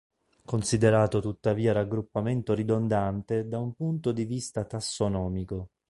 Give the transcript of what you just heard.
Considerato tuttavia raggruppamento ridondante da un punto di vita tassonomico.